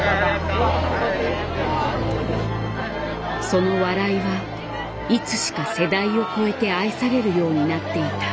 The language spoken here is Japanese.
その笑いはいつしか世代を超えて愛されるようになっていた。